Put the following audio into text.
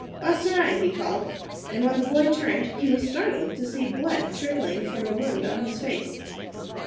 "Bostanai," he called, and when the boy turned, he was startled to see blood trickling from a wound on his face.